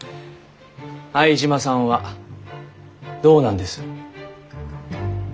相島さんはどうなんです？